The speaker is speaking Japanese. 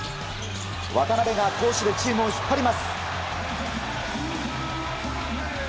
渡邊が攻守でチームを引っ張ります。